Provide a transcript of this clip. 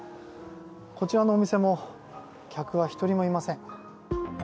こちらのお店も客は１人もいません。